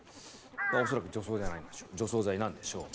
恐らく除草剤なんでしょう。